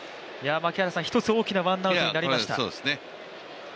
一つ、大きなワンアウトになりました。